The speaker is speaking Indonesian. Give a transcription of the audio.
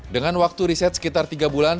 dengan waktu riset sekitar tiga bulan